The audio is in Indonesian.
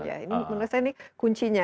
ya ini menurut saya ini kuncinya